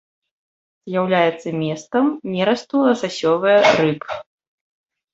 З'яўляецца месцам нерасту ласасёвыя рыб.